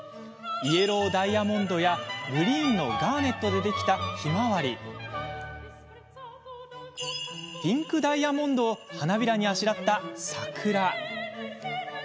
イエローダイヤモンドやグリーンのガーネットでできたひまわりにピンクダイヤモンドを花びらにあしらった桜。